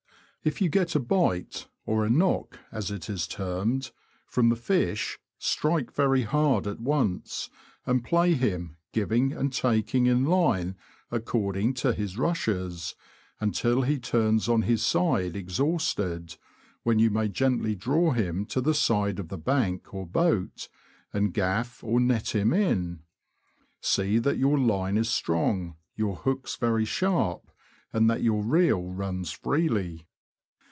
If you get a " knock,^' as it is termed (a bite), from the fish, strike very hard at once, and play him, giving and taking in line according to his rushes, until he turns on his side exhausted, when you may gently draw him to the side of the bank or boat, and gaff or net him in. See that your line is strong, your hooks very sharp, and that your reel runs freely.